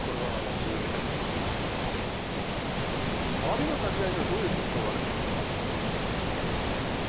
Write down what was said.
阿炎の立ち合いには、どういう特徴があるでしょうか。